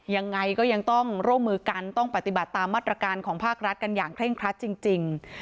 ยังไงก็ยังต้องร่วมมือกันต้องปฏิบัติตามมาตรการของภาครัฐกันอย่างเคร่งครัดจริง